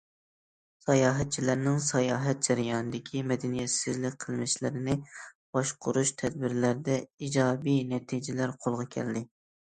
ساياھەتچىلەرنىڭ ساياھەت جەريانىدىكى مەدەنىيەتسىزلىك قىلمىشلىرىنى باشقۇرۇش تەدبىرلىرىدە ئىجابىي نەتىجىلەر قولغا كەلدى.